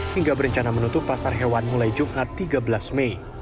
hingga berencana menutup pasar hewan mulai jumat tiga belas mei